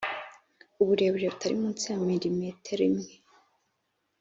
uburebure butari munsi ya milimetero imwe